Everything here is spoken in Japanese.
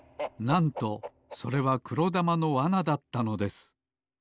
なんとそれはくろだまのわなだったのです。